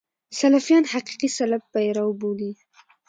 سلفیان حقیقي سلف پیرو بولي.